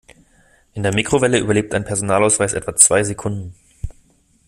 In der Mikrowelle überlebt ein Personalausweis etwa zwei Sekunden.